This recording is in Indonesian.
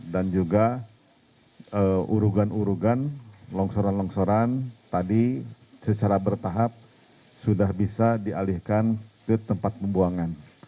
dan juga urugan urugan longsoran longsoran tadi secara bertahap sudah bisa dialihkan ke tempat pembuangan